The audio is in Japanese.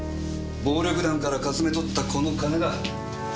暴力団からかすめ取ったこの金だ。